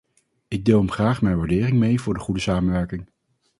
Ik deel hem graag mijn waardering mee voor de goede samenwerking.